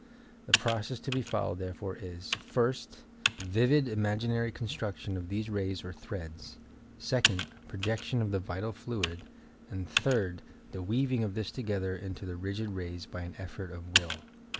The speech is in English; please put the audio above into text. The process to be followed therefore is: first, vivid imaginary construction of these rays or threads; second, projection of the vital fluid; and third, the weaving of this together into the rigid rays by an effort of will.